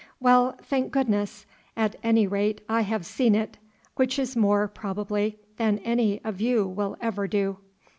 Well, thank goodness, at any rate I have seen it, which is more, probably, than any of you will ever do.